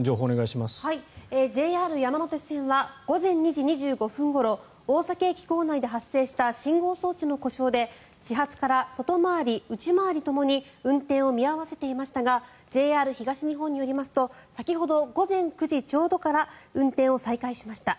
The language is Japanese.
ＪＲ山手線は午前２時２５分ごろ大崎駅構内で発生した信号装置の故障で始発から外回り、内回りともに運転を見合わせていましたがＪＲ東日本によりますと先ほど午前９時ちょうどから運転を再開しました。